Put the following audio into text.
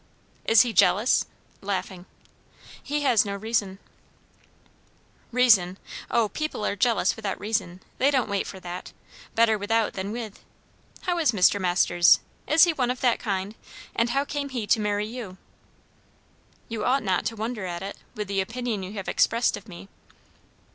"Is he jealous?" laughing. "He has no reason." "Reason! O, people are jealous without reason; they don't wait for that. Better without than with. How is Mr. Masters? is he one of that kind? And how came he to marry you?" "You ought not to wonder at it, with the opinion you have expressed of me."